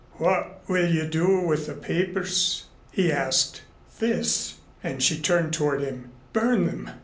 "What will you do with the papers?" he asked. "This," and she turned toward him "burn them."